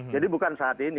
jadi bukan saat ini